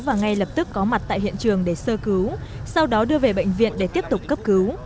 và ngay lập tức có mặt tại hiện trường để sơ cứu sau đó đưa về bệnh viện để tiếp tục cấp cứu